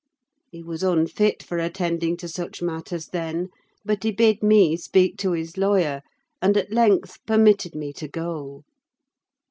He was unfit for attending to such matters then, but he bid me speak to his lawyer; and at length permitted me to go.